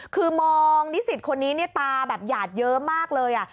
คือมองนิสิทธิ์คนนี้ตาหยาดเยอะมากเลย